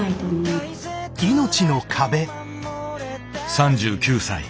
３９歳。